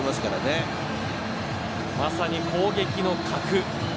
まさに攻撃の核。